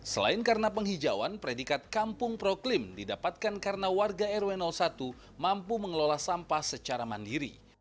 selain karena penghijauan predikat kampung proklim didapatkan karena warga rw satu mampu mengelola sampah secara mandiri